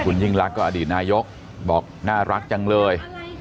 คุณยิ่งรักก็อดีตนายกบอกน่ารักจังเลย